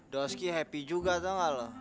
dostki happy juga tau gak lo